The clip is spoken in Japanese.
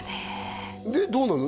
でどうなるの？